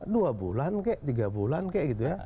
dua bulan kek tiga bulan kek gitu ya